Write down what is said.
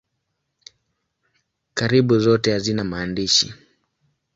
Karibu zote hazina maandishi.